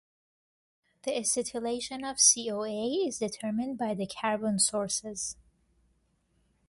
The acetylation of CoA is determined by the carbon sources.